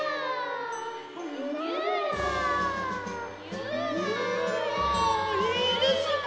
ゆらいいですね。